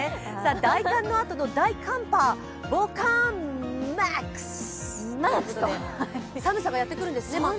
大寒のあとの大寒波、防寒ＭＡＸ！ということで、寒さがやってくるんですね、また。